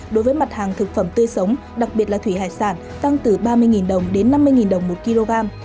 đối với mặt hàng thực phẩm tươi sống đặc biệt là thủy hải sản tăng từ ba mươi đồng đến năm mươi đồng một kg